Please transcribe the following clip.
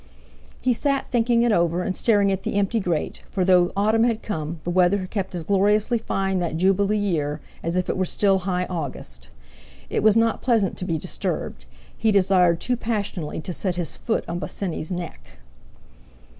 He sat thinking it over, and staring at the empty grate, for though autumn had come, the weather kept as gloriously fine that jubilee year as if it were still high August. It was not pleasant to be disturbed; he desired too passionately to set his foot on Bosinney's neck.